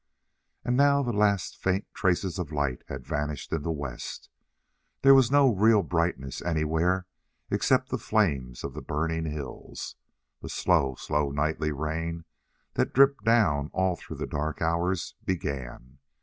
And now the last faint traces of light had vanished in the west. There was no real brightness anywhere except the flames of the burning hills. The slow, slow nightly rain that dripped down all through the dark hours began.